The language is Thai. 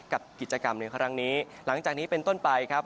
กับกิจกรรมในครั้งนี้หลังจากนี้เป็นต้นไปครับ